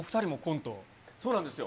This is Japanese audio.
そうなんですよ。